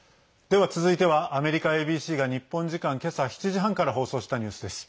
では続いてはアメリカＡＢＣが日本時間、今朝７時半から放送したニュースです。